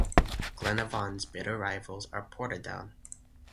Glenavon's bitter rivals are Portadown.